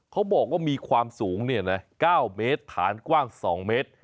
เขาบอกว่ามีความสูงเนี่ยแหละเก้าเมตรฐานกว้างสองเมตร